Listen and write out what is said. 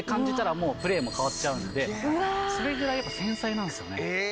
それぐらいやっぱ繊細なんですよね。